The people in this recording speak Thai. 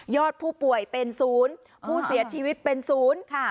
ผู้ป่วยเป็นศูนย์ผู้เสียชีวิตเป็นศูนย์ค่ะ